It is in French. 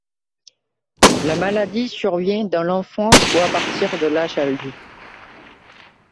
La maladie survient dans l'enfance ou à partir de l'âge adulte.